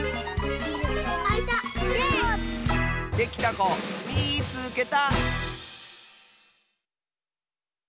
できたこみいつけた！